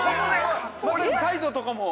◆まさにサイドとかも？